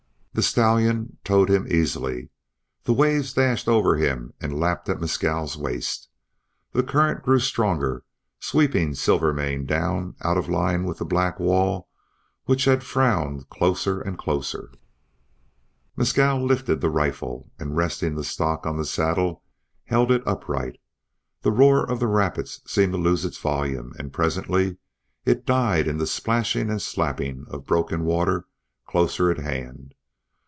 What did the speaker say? The stallion towed him easily. The waves dashed over him and lapped at Mescal's waist. The current grew stronger, sweeping Silvermane down out of line with the black wall which had frowned closer and closer. Mescal lifted the rifle, and resting the stock on the saddle, held it upright. The roar of the rapids seemed to lose its volume, and presently it died in the splashing and slapping of broken water closer at hand.